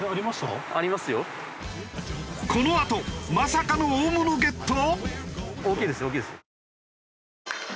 このあとまさかの大物ゲット？